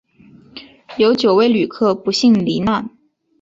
有九位旅客不幸罹难